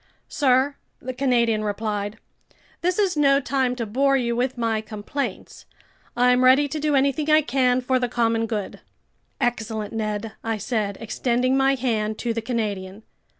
"Sir," the Canadian replied, "this is no time to bore you with my complaints. I'm ready to do anything I can for the common good." "Excellent, Ned," I said, extending my hand to the Canadian.